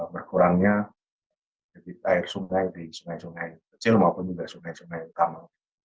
berkurangnya debit air sungai di sungai sungai kecil maupun juga sungai sungai utama